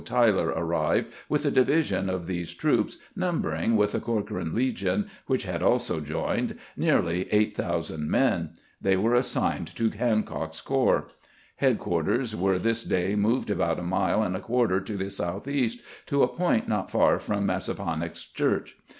Tyler arrived with a division of these troops, number ing, with the Corcoran Legion, which had also joined, nearly 8000 men. They were assigned to Hancock's corps. Headquarters were this day moved about a mile and a quarter to the southeast, to a point not far from Mas saponax Church.